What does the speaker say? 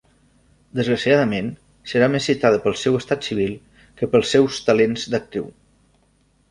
Desgraciadament, serà més citada pel seu estat civil que pels seus talents d'actriu.